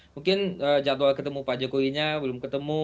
mungkin jadwal ketemu pak jokowinya belum ketemu